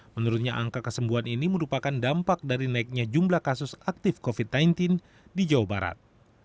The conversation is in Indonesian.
menurutnya angka kesembuhan ini merupakan dampak dari naiknya jumlah kasus aktif covid sembilan belas di jawa barat